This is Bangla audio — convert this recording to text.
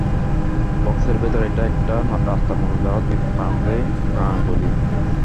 বক্সের ভেতর, এটা একটা রাস্তার মতো, যার দুই প্রান্তেই কানাগলি।